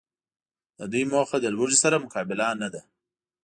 د دوی موخه د لوږي سره مقابله نده